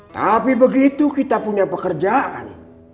tapi begitu kita punya pekerjaan